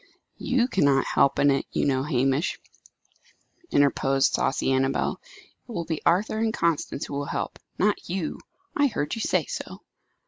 "You cannot help in it, you know, Hamish," interposed saucy Annabel. "It will be Arthur and Constance who will help not you. I heard you say so!"